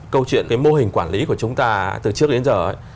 câu chuyện cái mô hình quản lý của chúng ta từ trước đến giờ ấy